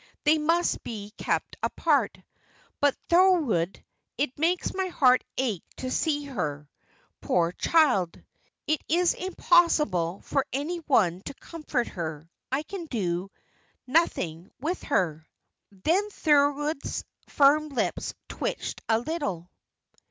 "They must be kept apart. But, Thorold, it makes my heart ache to see her, poor child! It is impossible for any one to comfort her. I can do nothing with her." Then Thorold's firm lips twitched a little.